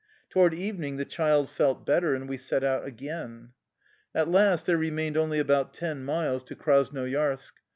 To ward evening the child felt better, and we set out again. At last there remained only about ten miles to Krasnoyarsk.